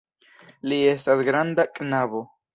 Li estas granda knabo.